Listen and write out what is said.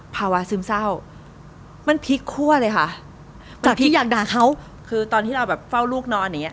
ภาวะซึมเศร้ามันพลิกคั่วเลยค่ะจากพีคอยากด่าเขาคือตอนที่เราแบบเฝ้าลูกนอนอย่างเงี้